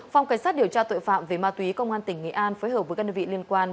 phòng cảnh sát điều tra tội phạm về ma túy công an tỉnh nghệ an phối hợp với các đơn vị liên quan